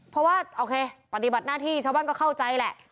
เพราะว่าโอเคปฏิบัติหน้าที่ชาวบ้านก็เข้าใจแหละ